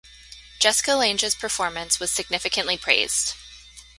Jessica Lange's performance was significantly praised.